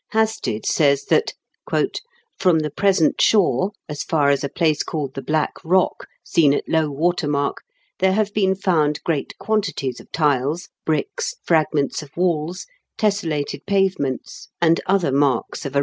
Hasted says that, " from the present shore, as far as a place called the Black Eock, seen at low water mark, there have been found great quantities of tiles, bricks, fragments of w^alls, tesselated pavements, and other marks of a 300 IN KENT WITH CHABLE8 DICKENS.